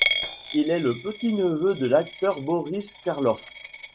Il est le petit neveu de l'acteur Boris Karloff.